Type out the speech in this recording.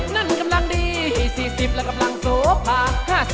นั่นกำลังดี๔๐และกำลังโสภา